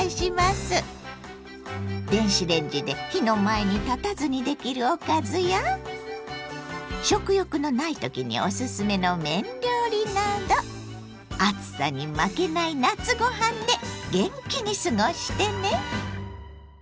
電子レンジで火の前に立たずにできるおかずや食欲のない時におすすめの麺料理など暑さに負けない夏ご飯で元気に過ごしてね！